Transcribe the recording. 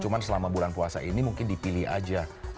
cuma selama bulan puasa ini mungkin dipilih aja